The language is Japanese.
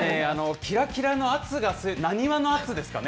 きらきらの圧が、なにわの圧ですかね。